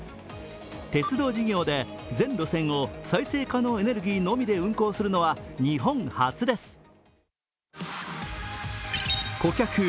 鉄道事業で全路線を再生可能エネルギーのみで運行するのは日本初です。